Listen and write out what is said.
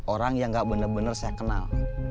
orang yang gak bener bener saya kenal